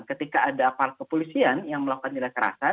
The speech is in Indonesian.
ketika ada parkepolisian yang melakukan penyiksaan dan mengatakan kesalahan